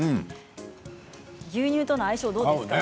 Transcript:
牛乳との相性はどうですか。